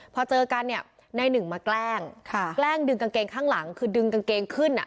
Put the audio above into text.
พอเจอกันเนี่ยนายหนึ่งมาแกล้งค่ะแกล้งดึงกางเกงข้างหลังคือดึงกางเกงขึ้นอ่ะ